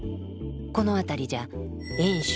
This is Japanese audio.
この辺りじゃ遠州